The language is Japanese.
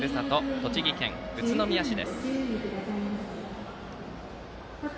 栃木県宇都宮市です。